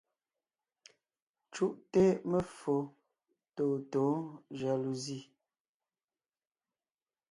Cúʼte meffo tôtǒ jaluzi.